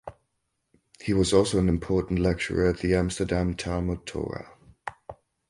He was also an important lecturer at the Amsterdam Talmud Torah.